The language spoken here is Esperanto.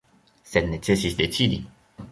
Sed necesis decidi.